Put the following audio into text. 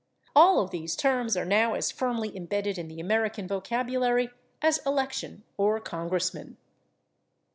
All of these terms are now as firmly imbedded in the American vocabulary as /election/ or /congressman